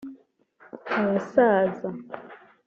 abasaza